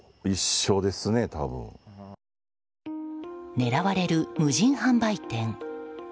狙われる無人販売店。